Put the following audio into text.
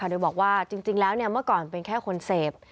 โดยบอกว่าจริงแล้วเมื่อก่อนเป็นแค่คนเสพ